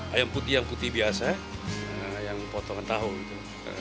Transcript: ayam putih yang putih biasa yang potongan tahu gitu